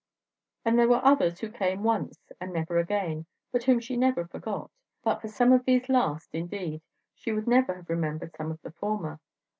And there were others who came once and never again, but whom she never forgot. But for some of these last, indeed, she would never have remembered some of the former.